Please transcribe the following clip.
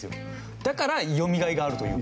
だから読みがいがあるというか。